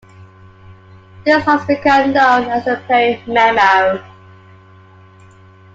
This has become known as the "Perry memo".